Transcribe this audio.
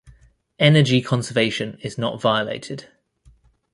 Energy conservation is not violated.